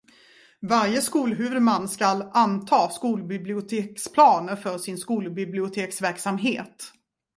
Varje skolhuvudman ska anta skolbiblioteksplaner för sin skolbiblioteksverksamhet.